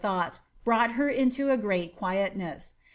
907 dxNi^t, brought her into a great quietness.